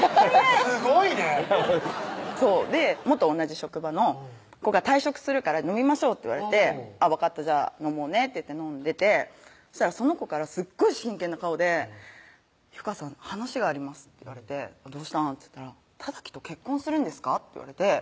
すごいね元同じ職場の子が「退職するから飲みましょう」って言われて「分かったじゃあ飲もうね」って言って飲んでてそしたらその子からすっごい真剣な顔で「有果さん話があります」って言われて「どうしたん？」っつったら「任記と結婚するんですか？」